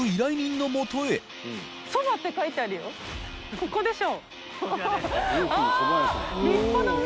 ここでしょ！